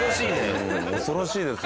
恐ろしいですよ。